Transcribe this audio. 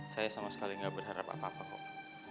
saya sama sekali gak berharap apa apa kok